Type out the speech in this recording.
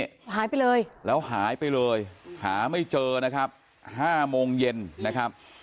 แล้วหายไปเลยหายไปเลยหาไม่เจอนะครับ๕โมงเย็นนะครับ